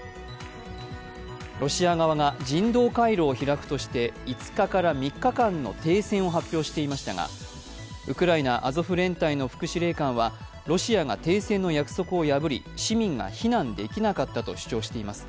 ロシア側が人道回廊を開くとして５日から３日間の停戦を発表していましたが、ウクライナ・アゾフ連隊の副司令官はロシアが停戦の約束を破り市民が避難できなかったと主張しています。